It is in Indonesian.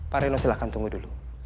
pak reno silahkan tunggu dulu